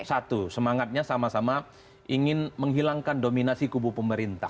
satu semangatnya sama sama ingin menghilangkan dominasi kubu pemerintah